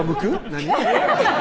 何？